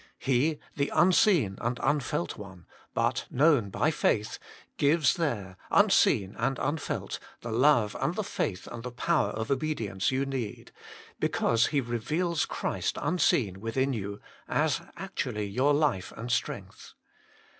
He, the Unseen and Unfelt One, but known by 120 THE MINISTRY OF INTERCESSION faith, gives there, unseen and unfelt, the love and the faith and the power of obedience you need, because He reveals Christ unseen within you, as actually your Life and Strength.